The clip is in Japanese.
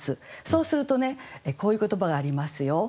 そうするとねこういう言葉がありますよ。